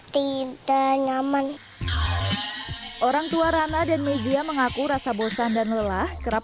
tingkah nyaman orang tua rana dan mezia mengaku rasa bosan dan lelah kerap